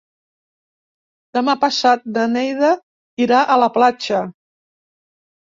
Demà passat na Neida irà a la platja.